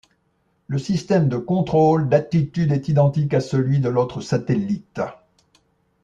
Le système de contrôle d'attitude est identique à celui de l'autre satellite.